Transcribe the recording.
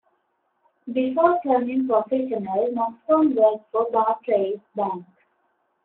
Before turning professional Moxon worked for Barclays Bank.